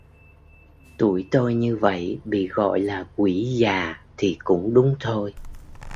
Tuổi tôi như vậy bị gọi là quỷ già thì cũng đúng thôi